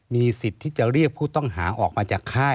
มีสิทธิ์ที่จะเรียกผู้ต้องหาออกมาจากค่าย